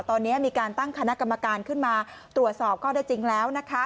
ตอนนี้มีการตั้งคณะกรรมการขึ้นมาตรวจสอบข้อได้จริงแล้ว